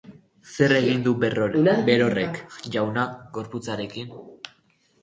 Zer egin du berorrek, jauna, gorputzarekin?